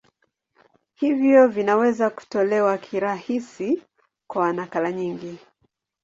Hivyo vinaweza kutolewa kirahisi kwa nakala nyingi.